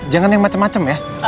jangan yang macem macem ya